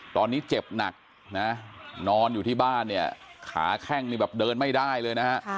ตอนนี้เจ็บหนักนะนอนอยู่ที่บ้านเนี่ยขาแข้งนี่แบบเดินไม่ได้เลยนะฮะ